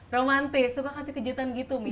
romante suka kasih kejutan gitu mi